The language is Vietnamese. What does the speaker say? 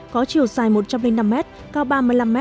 có chiều dài một trăm linh năm m cao ba mươi năm m